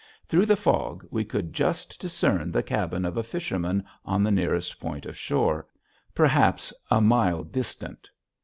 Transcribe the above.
Through the fog we could just discern the cabin of a fisherman on the nearest point of shore perhaps a mile distant.